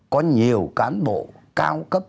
có nhiều cán bộ cao cấp